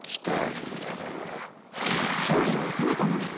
［勝利を収めたのです］